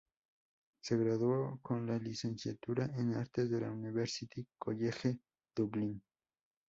Se graduó con una Licenciatura en Artes de la University College, Dublín.